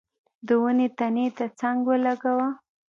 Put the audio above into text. د ونې تنې ته څنګ ولګاوه.